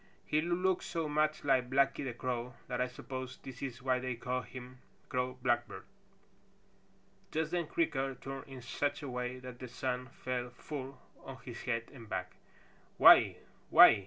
He looks so much like Blacky the Crow that I suppose this is why they call him Crow Blackbird." Just then Creaker turned in such a way that the sun fell full on his head and back. "Why! Why ee!"